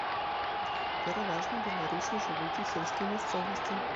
Пераважна беларусы жывуць у сельскай мясцовасці.